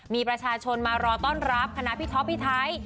มีประชาชนมารอต้อนรับคณะพี่ท็อปพี่ไทย